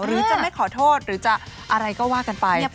หรือจะไม่ขอโทษหรือจะอะไรก็ว่ากันไป